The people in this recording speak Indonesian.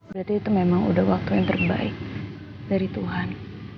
jadi itu memang sudah waktu yang terbaik dari tuhan